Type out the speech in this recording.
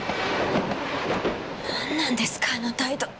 なんなんですかあの態度！